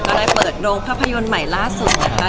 ได้เปิดโรงภาพยนตร์ใหม่ล่าสุดนะคะ